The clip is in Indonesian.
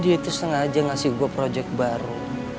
dia itu sengaja ngasih gua proyek baru